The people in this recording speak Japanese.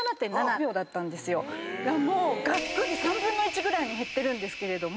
もうがっくり３分の１ぐらいに減ってるんですけれども。